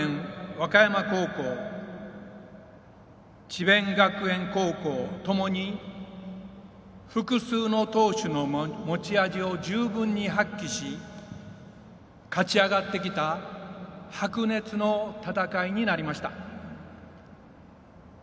和歌山高校智弁学園高校ともに複数の投手の持ち味を十分に発揮し勝ち上がってきた白熱の戦いになりました。